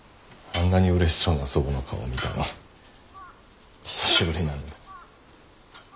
あんなに嬉しそうな祖母の顔見たの久しぶりなんで。